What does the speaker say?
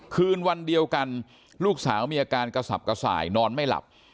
คืนวันเดียวกันลูกสาวมีอาการกระสับกระส่ายนอนไม่หลับ